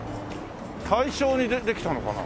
大正にできたのかな？